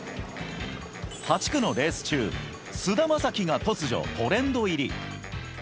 ８区のレース中、菅田将暉が突如トレンド入り！